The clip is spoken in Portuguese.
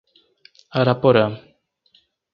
Araporã